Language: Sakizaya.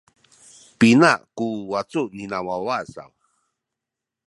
Pina ku wacu nina wawa saw?